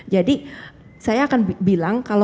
jadi saya akan bilang